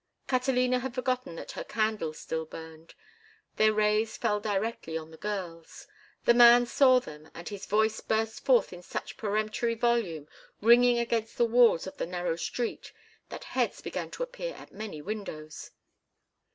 Catalina had forgotten that her candles still burned. Their rays fell directly on the girls. The man saw them and his voice burst forth in such peremptory volume, ringing against the walls of the narrow street, that heads began to appear at many windows.